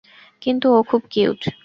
কিন্তু ও খুব কিউট!